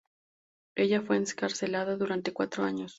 Ella fue encarcelada durante cuatro años.